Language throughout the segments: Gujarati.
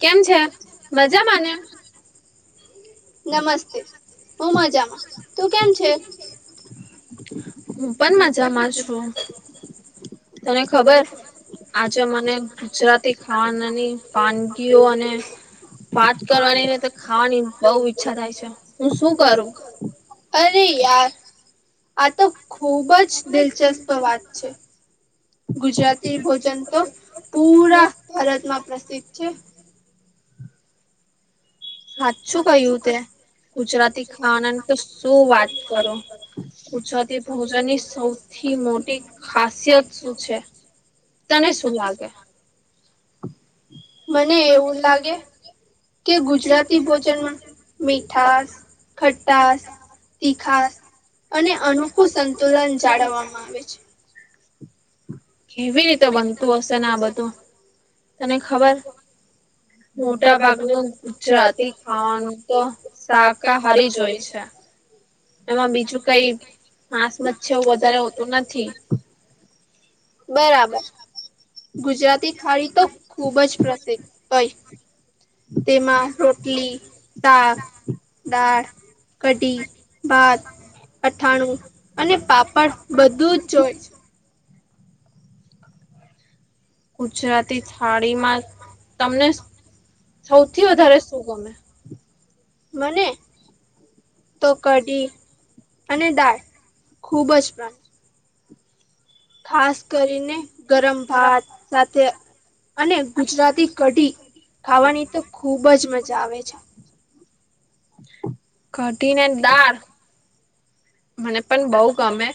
કેમ છે મજા માને નમસ્તે હું મજામાં તું કેમ છે હું પણ મજામાં છું તને ખબર આજે મને ગુજરાતી ખાણની વાનગીઓ અને વાત કરવાની ને તો ખાવાની બઉુ ઈચ્છા થાય છે હું શું કરું અરે આ તો ખુબ જ દિલચસ્પ વાત છે ગુજરાતી ભોજન તો પૂરા ભારતમાં પ્રસિદ્ધ છે હ સાચું કયું તે ગુજરાતી ખાવાનાની તો શું વાત કરો ગુજરાતી ભોજન ની સૌથી થી મોટી ખાસિયત શું છે તને શું લાગે મને એવું લાગે કે ગુજરાતી ભોજનમાં મીઠાસ ખટ્ટાસ તીખાસ અને અનોખું સંતુલન જાળવવામાં આવે છે કેવી રીતે બનતું હશેન આ બધું તને ખબર હો મોટા ભાગનું ગુજરાતી ખાવાનું તો શાકાહારી જ હોય છે એમાં બીજું કઈ સ મચછ વધારે હોતું નથી બરાબર ગુજરાતી થાળી તો ખુબ જ પ્રસિદ્ધ હોય તેમાં રોટલી, શાક, દાળ, કઢી, ભાત, અઠાણું અને પાપડ બધું જ હોય છે. ગુજરાતી થાળીમાં તમને સૌથી વધારે શું ગમે મને તો કઢી અને દાળ ખુબ જ ભા ખાસ કરીને ગરમ ભાત સાથે અને ગુજરાતી કઢી ખાવાની તો ખૂબ જ મજા આવે છે. કઢી ને દાળ મને પણ બઉ ગમે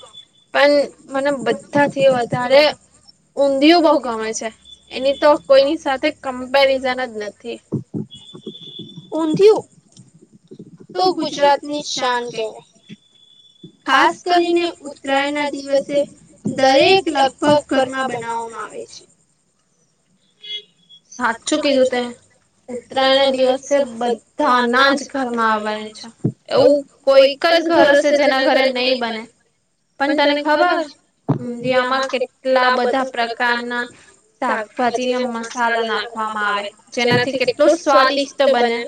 પણ મને બધાથી વધારે ઊંધિયું બહુ ગમે છે, એની તો કોઈની સાથે કમ્પેરિઝન જ નથી. ઊંધિયું તો ગુજરાતની શાન કેવાય. ખાસ કરીને ઉતરાયણ ના દિવસે દરેક લગભગ ઘરમાં બનાવવામાં આવે છે. સાચું કીધું તે ઉતરાયણના દિવસે બધાના જ ઘર માં આવવાની છે, એવું કોઈક જ જ ઘર હશે જેના ઘરે નહી બને પણ તને ખબર ઊંધિયા માં કેટલા બધા પ્રકારના ઘાકભાજી મસ સાલા નાખવામાં આવે જેનાથી કેટલો સ્વાદિષ્ટ બને.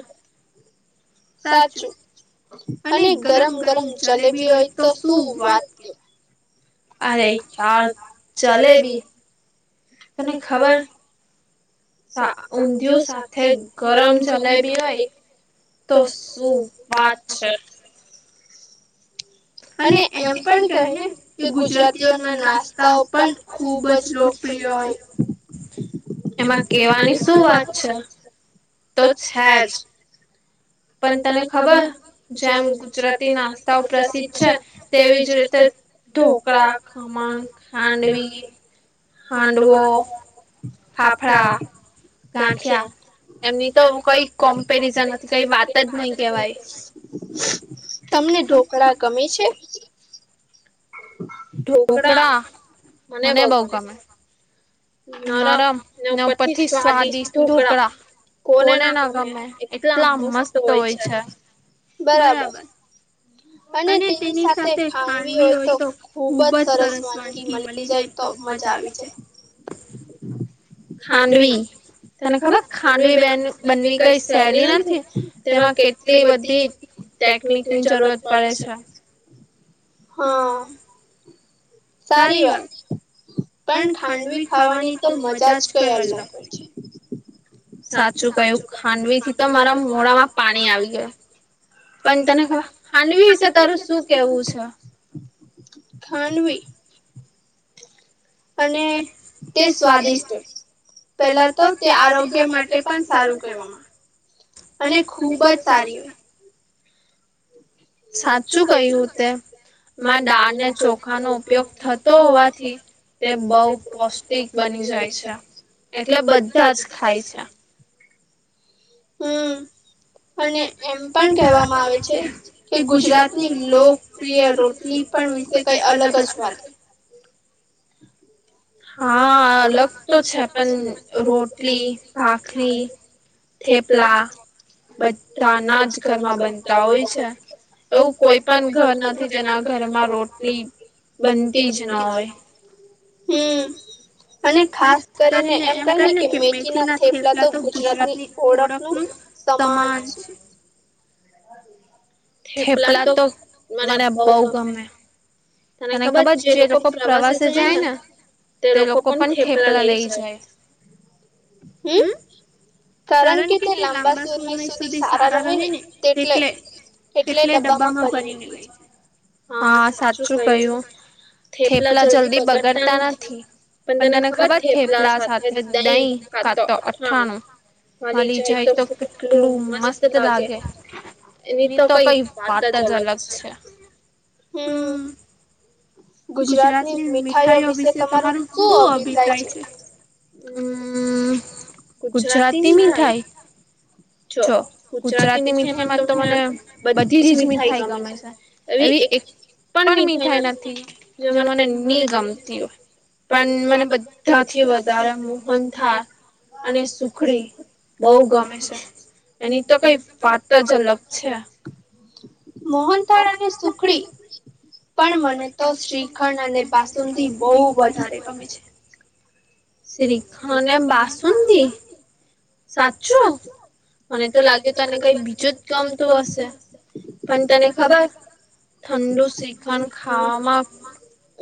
સાચું. અને ગરમ ગરમ જલેબી હોય તો શું વાત કે. અરે જલ જલેબી તને ખબર સા ઊંધિયું સાથે ગરમ જલેબી હોય તો શું વાત છે. અને એમ પણ કહે ને કે ગુજરાતીઓ ના નાસ્તાઓ પણ ખુબ જ લોકપ્રિ ય હોય. [inaudible] એમાં કેવાની શું વાત છે, તો છેજ. પણ તને ખબર જેમ ગુજરાતી નાસ્તા પ્રસિદ્ધ છે, તેવી જ રીતે ઢોકળા, ખમણ, હાંડવી, હાંડવો, ફાફડા, ગાંઠીયા, એમની તો કોઈ કોમ્પેરિઝન નથી કઈ વાત જ નહી કેહેવાય. તમને ઢોકળા ગમે છે. ઢોકળા મને બઉ ગમે. નરમ ને ઉપરથી સ્વાદિષ્ટ ઢોકળા કોને ના ગમે એટલા મસ્ત હોય છે, બરાબર. અને તેની સાથે ખાંડવી હોય તો ખુબ જ સરસ વાનગી મલી જાય તો બ મજા આવી જાય. ખાંડવી તને ખબર ખાંડવી બે બનવી કઈ સહેલી નથી તેમાં કેટલી બધી ટેકનિક ની જરૂરત પડે છે, હા સારી વાત પણ ખાંડવી ખાવાની તો મજા જ કઈ અલગ હોય છે. સાચું કયું ખાડવી થી તો મારા મોડામાં પાણી આવી ગાયુ. પણ તને ક હાંડવી વિશે તારું શું કેવું છે? ખાંડવી અને તે સ્વાદિષ્ટ પેલા તો તે આરોગ્ય માટે પણ સારું કહેવામાં અને ખુબ જ સારી હોય. સાચું કયું તે માં દાળને ચોખાનો ઉપયોગ થતો હોવાથી તે બહુ પૌષ્ટિક બની જાય છે. એટલે બધા જ ખાય છે. હમ્મ અને એમ પણ કેહેવામાં આવે છે કે ગુજરાતની લોકપ્રિય રોટલી પણ વિશે કઈ અલગ જ વાત હા અલગ તો છે પણ રોટલી ભાખરી થેપલા બધાના જ ઘરમાં બનતા હોય છે. એવું કોઈ પણ ઘર નથી જેના ઘરમાં રોટલી બનતી જ ના હોય. હે અને ખાસ કરીને એમ ક ને કે મેથી ના થેપલા તો ગુજરાતની ઓળખ ન તમાન છે. થેપલા તો મને બહુ ગમે. તને ખબર જે લોકો પ્રવાસે જાય ને તે લોકો પણ થેપલા લઈ જાય. કારણ કે તે લાંબા સમય સુધી સારા રહે ને તેટલે એટલે ડબ્બામાં ફરી નીકળી. સાચું કયું. થેપલા જલ્દી બગડતા નથી. પણ તને ખબર થેપલા સાથે દહી કાતો અઠાણ મલી જાય તો કેટલું મસ્ત લાગે. એની તો કઈ વાત જ અલગ છે. હમ્મ ગુજરાતની મીઠાઈઓ વિશે તમારું શું અભિપ્રાય છે. હમ્મ ગુજરાતી નિ મીઠાઈ? જો ગુજરાતી મીઠાઈ માં તો મને બધી જ મીઠાઈ ગમે છે. એવી એક પણ મીઠાઈ નથી મનેની ગમતી. પણ મને બધું વધારે મોહન થાય અને સુખડી બહ ગમે છે. એની તો કઈ વાત જલક છે. મોહનતાળ અને સુખડી પણ મને તો શ્રીખંડ અને બાસુંદી બહુ વધારે ગમી છે શ્રીખણ બાસુંદી સાચું. મને તો લાગે તને કઈ બીજું જ ગમતું હશે પણ તને ખબર ઠંડુ શ્રીકઅંડ ખાવા માં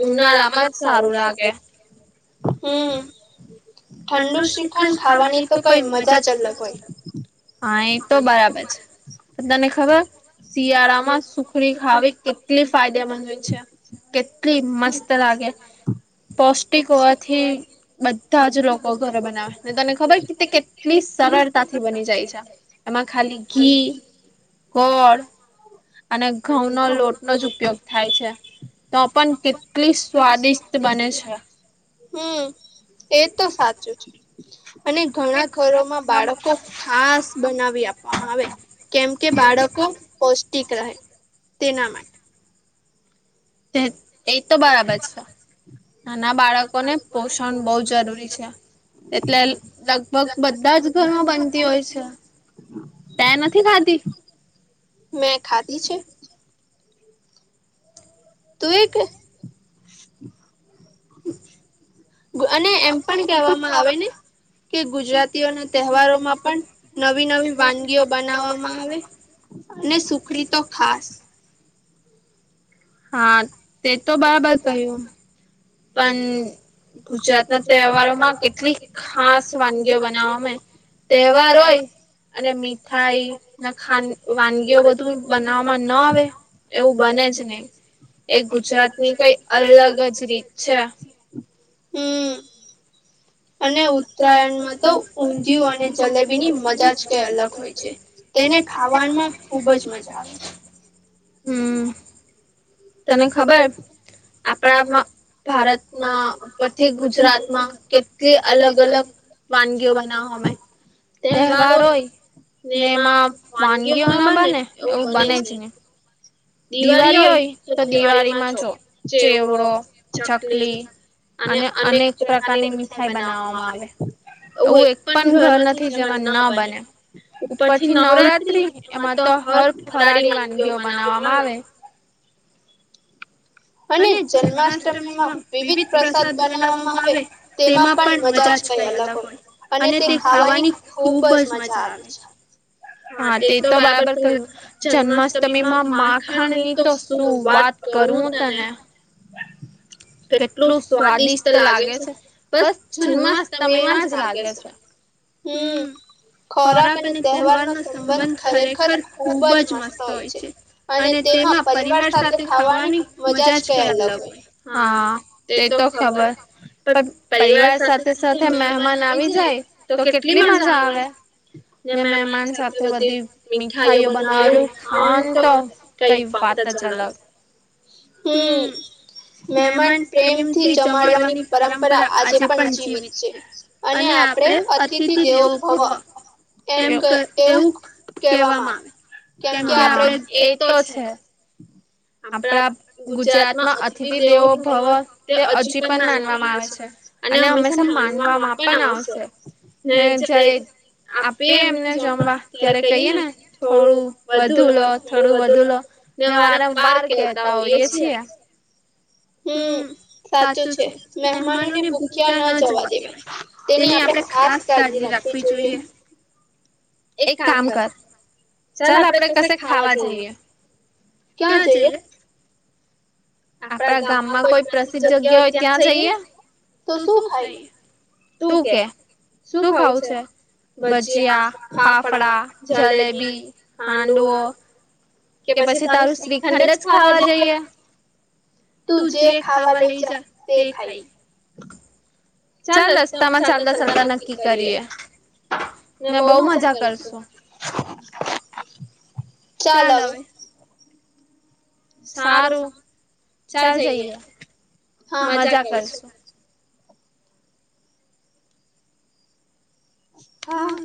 ઉનાળામાં જ સારું લાગે. ઠંડુ શ્રીખંડ ખાવાની તો કઈ મજા જ અલગ હોય. હા એ તો બરાબર છે તને ખબર શિયાળામાં સુખડી ખાવી કેટલી ફાયદામંદ હોય છે કેટલી મસ્ત લાગે પૌષ્ટિક હોવાથી બધાજ ઘર બનાવે તને ખબર કે તે કેટલી સરળતાથી બની જાય. એમાં ખલી ઘી ગળ અને ઘઉં નો લોટ નો જ ઉપયોગ થાય છે તો પણ કેટલી સ્વાદિષ્ટ બને છે હમ્મ એ તો સાચું અને ઘણા ઘરોમાં બાળકો ખાસ બનાવી આપવા હવે કેમકે બાળકો પૌષ્ટિક રહે તેના માટે તે એ તો બરાબર છે. નાના બાળકો ને પોષણ બઉ જરૂરી છે એટલે લગભગ બધા જ ઘરમાં બનતી હોય છે. ત્યા નથી ખાતી મેં ખાતી છે. તું એક અને એમ પણ કેહેવામાં આવે ને. કે ગુજરાતીઓ ના તહેવારોમાં પણ નવી નવી વાનગીઓ બનાવવામાં આવે. અને સુખની તો ખાસ. હા તે તો બરાબર છે પણ ગુજરાત ના તહેવારો માં કેટલીક ખાસ અંગ્ય બનાવ તહેવાર હોય. અને મીઠાાઈ વાનગીઓ બધું બનાવવામાં ન આવે એવું બને છે ને એ ગુજરાતની કઈ અલગ જ રીત અચ્છા હમ્મ. અને ઉત્તરાયણમાં તો ઊંધિયું અને જલેબી ની મજા જ કઈ અલગ હોય છે. તેને ખાવામાં ખુબ જ મજા આવે. હમ્મ. તને ખબર? આપણામાં ભારતમાં પછી ગુજરાતમાં કેટલી અલગ અલગ વાનગીઓ બનાવો અમે તહેવાર હોય ને એમાં વાનગીઓ ના બને એવું બને જ નહી દિવાળી હોય તો દિવાળીમાં જો ચેવડો ચકલી અને અનેક પ્રકારની મીઠાઈ બનાવવામાં આવે. એવું એક પણ ઘર નથી જવા ના બને. ઉપરથી નવરાત્રી એમાં તો હર ફરાળી વાનગીઓ બનાવવામાં મા આવે. અને જન્માષ્ટમીમાં વિવિધ પ્રસાદ બનાવવામાં આવે તેમાં પણ મજા છે. કઈ અલગ હોય અને તે ખાવાની ખુબ જ મજા આવે છે. હા તે તો બરાબર થયું જન્માષ્ટમીમાં માખણ ની તો શું વાત કરું. તને કેટલું સ્વાદિષ્ટ લાગે છે. બસ જુન્મસ તમે એમાં જ લાગે છે હમ્મ. ખોરાક અને તહેવાર નો સંબંધ ખરેખર ખુબ જ મસ્ત હોય છે. અને તેમાં પરિવાર સાથે ખાવાની મજા જ કઈ અલગ હોય. હા. તે તો ખબર પણ પરિવાર સાથે સાથે મહેમાન આવી જાય તો કેટલી. મજા આવે. ને મમાન સાથે બધી મીઠાઈઓ બનાવું તો કઈ. પાતા ચાલક હમ્મ. મહેમાન પ્રેમથી જમાડવાની પરંપરા આજે પણ જીવિત છે અને આપડે અતિથી દેવો ભવા. એમ એવું કેવામાં આવે. કેમ કે આપડે એ તો છે. આપણા ગુજરાતમાં અતિથિ દેવો ભવ તે હજી પણ માનવામાં આવે છે. અને હંમેશા માનવામાં પણ આવશે ને જયારે આપી એમને જમવા ત્યારે કહીએ ને થોડું વધુ લો થોડું વધુ લો. ને વારંવાર કેતા હો એ છીએ. હમ્મ. સાચું છે મહેમાનો ને ભૂખ્યા ન જવા દેવાય તેની આપણે ખાસ કાળજી રાખી વી જોઈએ. હા એક કામ કર ચાલ આપડે કશે ખાવા જઈએ. ક્યા જઈએ? આપણા ગામમાં કોઈ પ્રસિદ્ધ જગ્યા હોય ત્યાં જઈએ, ને તો શું ખાઈ? તું કે શું ખાવુ છે? ભજીયા, ફાફડા, જલેબી, હાંડવો કે પછી તારું શ્રીખંડ જ ખાવા જઈએ. તું જે ખાવા લઈ જા તે ખાઈ. ચાલ રસ્તા મા ચાલતા ચાલતા નક્કી કરીએ. ને બહુ મજા કરશુ. ચાલ હવે. સારું. ચાલ જઈએ હા મજા કરશું. હા.